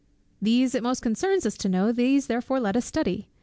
"These it most concerns us to know; these therefore let us study.